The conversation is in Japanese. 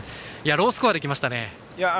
ロースコアで来ましたね。